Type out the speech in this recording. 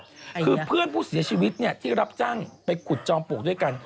คือเพื่อนผู้เสียชีวิตเนี่ยที่รับจ้างไปขุดจอมปลวกด้วยกัน